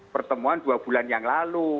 pertemuan dua bulan yang lalu